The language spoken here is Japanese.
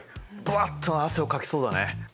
ブワッと汗をかきそうだね。